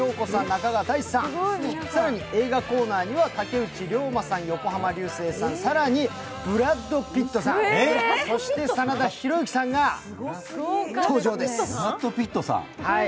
中川大志さん、更に映画コーナーには竹内涼真さん、横浜流星さん、更にブラッド・ピットさん、そして真田広之さんが登場です。